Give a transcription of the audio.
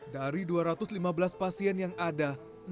dari dua ratus lima belas pasien yang ada